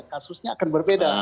kasusnya akan berbeda